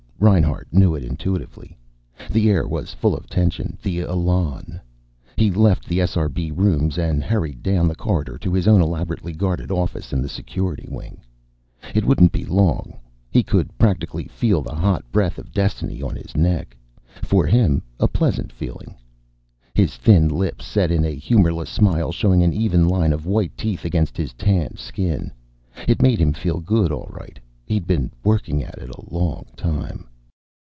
Reinhart knew it intuitively. The air was full of tension, the elan. He left the SRB rooms and hurried down the corridor to his own elaborately guarded office in the Security wing. It wouldn't be long. He could practically feel the hot breath of destiny on his neck for him a pleasant feeling. His thin lips set in a humorless smile, showing an even line of white teeth against his tanned skin. It made him feel good, all right. He'd been working at it a long time.